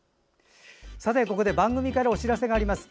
ここで番組からお知らせがあります。